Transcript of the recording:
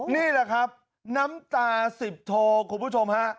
นี่แหละครับน้ำตาสิบโทคุณผู้ชมฮะ